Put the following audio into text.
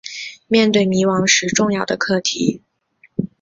面对迷惘时重要的课题